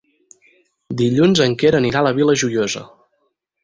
Dilluns en Quer anirà a la Vila Joiosa.